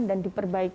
dan diperbaiki lagi